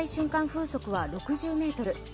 風速は６０メートル。